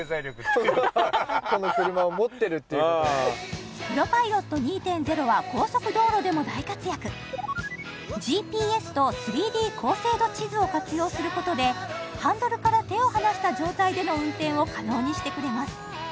この車を持ってるっていうことがプロパイロット２．０は高速道路でも大活躍ＧＰＳと３Ｄ高精度地図を活用することでハンドルから手を離した状態での運転を可能にしてくれます